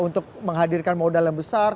untuk menghadirkan modal yang besar